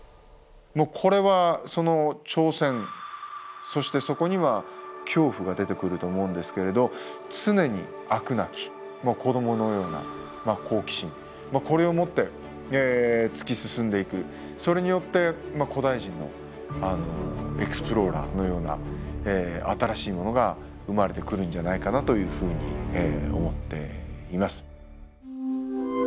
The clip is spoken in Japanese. もうこれはその挑戦そしてそこには恐怖が出てくると思うんですけれど常にそれによって古代人のエクスプローラーのような新しいものが生まれてくるんじゃないかなというふうに思っています。